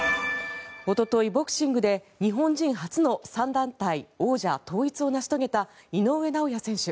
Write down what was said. おとといボクシングで日本人初の３団体王者統一を成し遂げた井上尚弥選手。